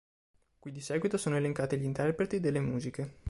Qui di seguito sono elencati gli interpreti delle musiche.